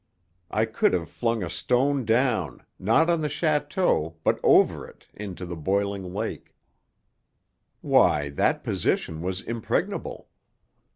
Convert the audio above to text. I could have flung a stone down, not on the château, but over it, into the boiling lake. Why, that position was impregnable!